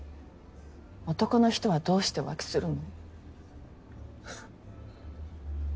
男の人はどうして浮気するの？